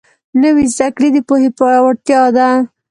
نوې زده کړه د پوهې پیاوړتیا ده